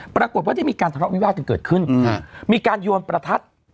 ปรากฏว่าได้มีการทะเลาะวิวาสกันเกิดขึ้นมีการโยนประทัด